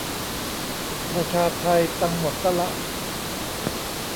ประชาไท ตังค์หมดซะละ